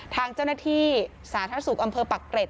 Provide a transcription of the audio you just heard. ทางเจ้าหน้าที่สาธารณสุขอำเภอปักเกร็ด